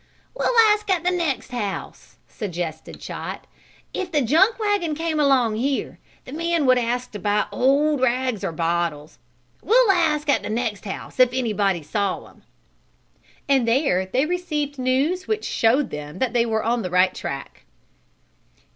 "We'll ask at the next house," suggested Chot. "If the junk wagon came along here the man would ask to buy old rags or bottles. We'll ask, at the next house, if anybody saw him." And there they received news which showed them that they were on the right track.